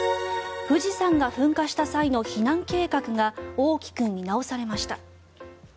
富士山が噴火した際の避難計画が大きく見直されました。